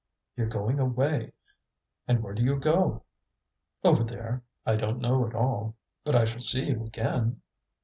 "You're going away! And where do you go?" "Over there I don't know at all." "But I shall see you again?"